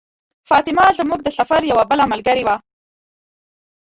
فاطمه زموږ د سفر یوه بله ملګرې وه.